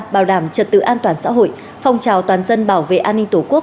bảo đảm trật tự an toàn xã hội phong trào toàn dân bảo vệ an ninh tổ quốc